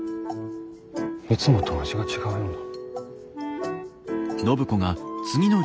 いつもとは味が違うような。